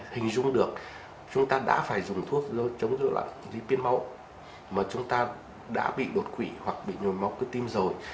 hình dung được chúng ta đã phải dùng thuốc chống rối loạn lipid máu mà chúng ta đã bị đột quỷ hoặc bị nhồi máu cứ tim rồi